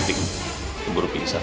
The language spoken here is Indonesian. nanti kamu buruk pilih satu